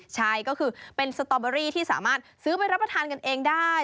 ใช่ก็คือเป็นสตอเบอรี่ที่สามารถซื้อไปรับประทานกันเองได้